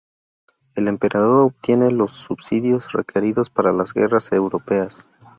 El emperador obtiene los subsidios requeridos para las guerras europeas.